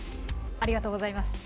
ありがとうございます。